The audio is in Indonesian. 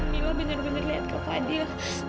mila benar benar lihat kak fadil